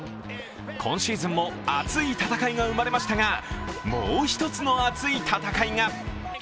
今シーズンも熱い戦いが生まれましたが、もう１つの熱い戦いが。